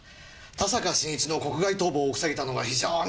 田坂晋一の国外逃亡を防げたのが非常に大きい。